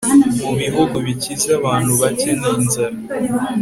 mu bihugu bikize, abantu bake ni inzara